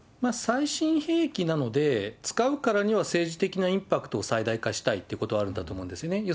最新兵器なので、使うからには政治的なインパクトを最大化したいっていうことはあると思うんですよね。